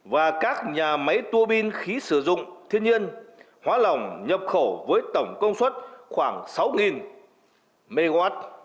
và các nhà máy tua pin khí sử dụng thiên nhiên hóa lỏng nhập khẩu với tổng công suất khoảng sáu mw